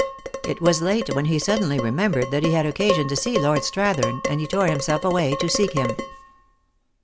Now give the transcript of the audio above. It was late when he suddenly remembered that he had occasion to see Lord Strathern, and he tore himself away to seek him.